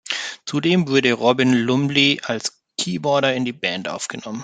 Zudem wurde Robin Lumley als Keyboarder in die Band aufgenommen.